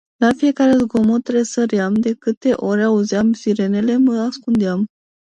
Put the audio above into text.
La fiecare zgomot tresăream, de câte ori auzeam sirene mă ascundeam.